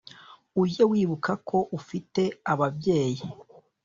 ujye wibuka ko ufite ababyeyi?